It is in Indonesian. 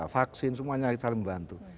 vaksin semuanya saling membantu